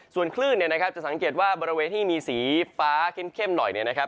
ส่วนคลื่นเนี่ยนะครับจะสังเกตว่าบริเวณที่มีสีฟ้าเข้มหน่อยเนี่ยนะครับ